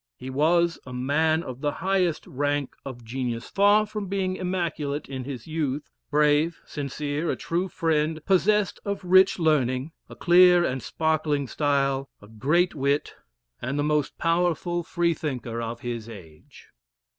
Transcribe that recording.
He was a man of the highest rank of genius, far from being immaculate in his youth, brave, sincere, a true friend, possessed of rich learning, a clear and sparkling style, a great wit, and the most powerful Freethinker of his age.